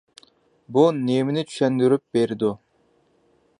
بۇ نېمىنى چۈشەندۈرۈپ بېرىدۇ؟